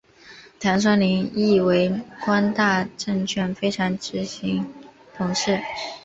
唐双宁亦为光大证券非执行董事。